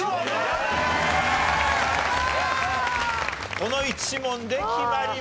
この１問で決まります。